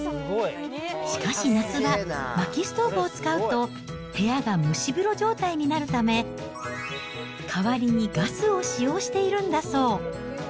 しかし、夏場、まきストーブを使うと、部屋が蒸し風呂状態になるため、代わりにガスを使用しているんだそう。